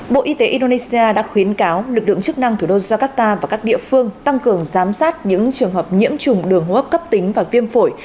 bộ y tế indonesia đã khuyến cáo lực lượng chức năng thủ đô jakarta và các địa phương tăng cường giám sát những trường hợp nhiễm trùng đường hốp cấp tính và viêm phổi